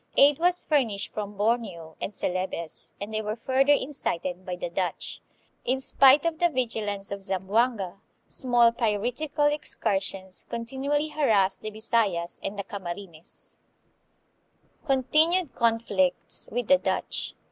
Aid was furnished from Borneo and Celebes, and they were further incited by the Dutch. In spite of the vigilance of Zamboanga, small piratical excursions continually harassed the Bisayas and the Cam arines. 208 THE PHILIPPINES. Continued Conflicts with the Dutch.